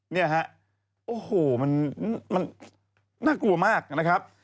เนี่ยฮะโอ้โหมันน่ากลัวมากนะครับ